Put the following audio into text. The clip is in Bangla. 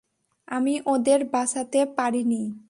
আমি ওদের বাঁচাতে পারিনি।